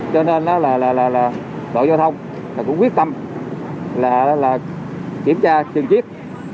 cho nên là đội giao thông cũng quyết tâm kiểm tra chừng chiếc